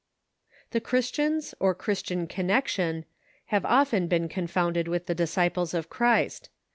The Christians, or Christian Connection, have often been confounded with the Disciples of Christ.